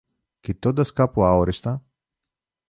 κοιτώντας κάπου αόριστα